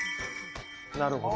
なるほど。